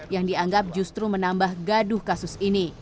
yang dianggap justru menambah gaduh kasus ini